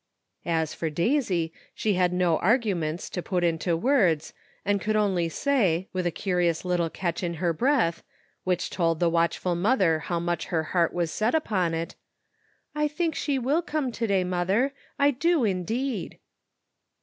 As for Daisy, she had no arguments to put into words, and could only say, with a curious little catch in her breath, which told the watch ful mother how much her heart was set upon it, *'I think she will come to day, mother; I do indeed."